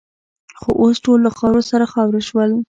خو اوس ټول له خاورو سره خاوروې شول.